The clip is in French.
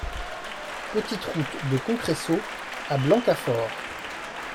Petite Route de Concressault à Blancafort